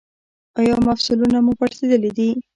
ایا مفصلونه مو پړسیدلي دي؟